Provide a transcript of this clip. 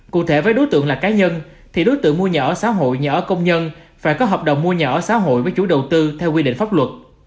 cụ thể với đối tượng là cá nhân thì đối tượng mua nhà ở xã hội nhà ở công nhân phải có hợp đồng mua nhà ở xã hội với chủ đầu tư theo quy định pháp luật